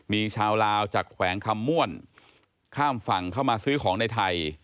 มีชาวลาวจากแขวงคำม่วนข้ามฝั่งเข้ามาซื้อของในไทย